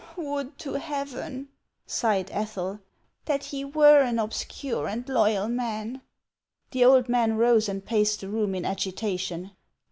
"Would to Heaven," sighed Ethel, "that he were an obscure and loyal man !" The old man rose, and paced the room in agitation.